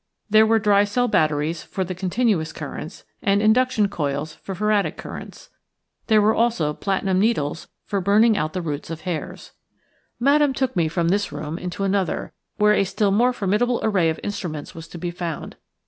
There were dry cell batteries for the continuous currents and induction coils for Faradic currents. There were also platinum needles for burning out the roots of hairs. Madame took me from this room into another, where a still more formidable array of instruments was to be found.